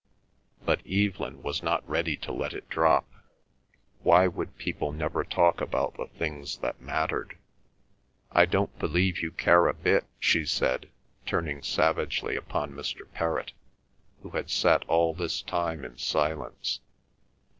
But Evelyn was not ready to let it drop. Why would people never talk about the things that mattered? "I don't believe you care a bit!" she said, turning savagely upon Mr. Perrott, who had sat all this time in silence.